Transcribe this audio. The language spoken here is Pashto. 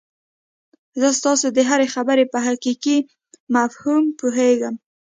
زه ستاسو د هرې خبرې په حقيقي مفهوم پوهېږم.